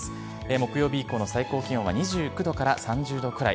木曜日以降の最高気温は２９度から３０度くらい。